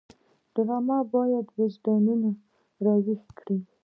ډرامه باید وجدانونه راویښ کړي